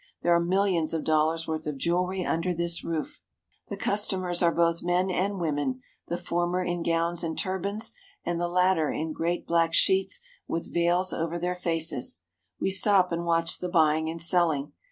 There are millions of dollars' worth of jewellery under this roof. 221 THE HOLY LAND AND SYRIA The customers are both men and women, the former in gowns and turbans and the latter in great black sheets with veils over their faces. We stop and watch the buy ing and selling.